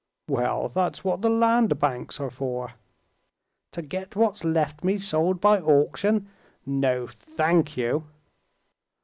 "Well, that's what the land banks are for." "To get what's left me sold by auction? No, thank you."